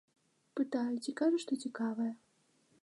Пытаю, ці кажа, што цікавае?